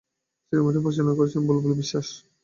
সিনেমাটি পরিচালনা করেছেন বুলবুল বিশ্বাস।